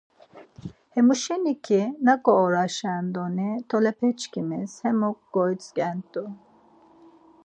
Hemu şeni ki naǩo oraşen doni tolepeçkimis hemuk gomitzǩert̆u.